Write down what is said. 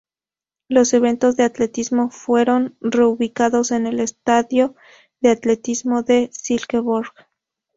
Los eventos de atletismo fueron reubicados en el Estadio de Atletismo de Silkeborg.